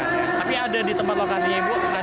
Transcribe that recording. tapi ada di tempat lokasinya ibu